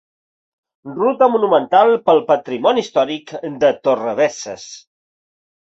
Ruta monumental pel patrimoni històric de Torrebesses.